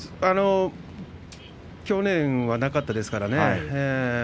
去年はなかったですからね。